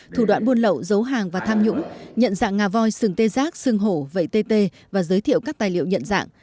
thủ đoạn buôn lậu giấu hàng và tham nhũng nhận dạng ngà voi sừng tê giác sừng hổ vẫy tê tê và giới thiệu các tài liệu nhận dạng